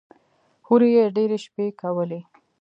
هورې يې ډېرې شپې کولې.